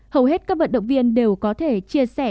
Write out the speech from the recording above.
hầu hết các vận động viên đều có thể chia sẻ